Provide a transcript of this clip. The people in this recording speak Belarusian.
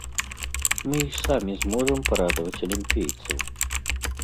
Мы і самі зможам парадаваць алімпійцаў!